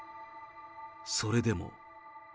それでも。